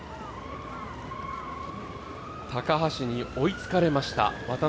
高橋に追いつかれました渡邉。